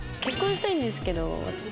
したいんですけど。